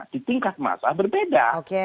di tingkat masalah berbeda